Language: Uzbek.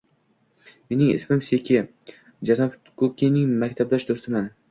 Mening ismim Seki, janob Kukining maktabdosh do`stiman